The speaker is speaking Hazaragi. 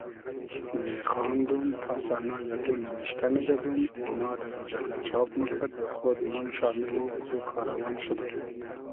میخاندوم پاسانا یئگۉ نیمیشتۂ میدئدوم اونا دۂ موجئللۂ چاب موکئد وخۉدیم ام شامیلی از او کاروان شودوم